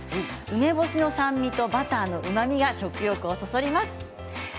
梅干しの酸味とバターのうまみが食欲をそそります。